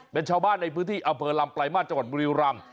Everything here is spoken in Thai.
เป็นชาวบ้านในพื้นที่อเฟอร์ลำไกลมาตรจังหวัดบริรัมน์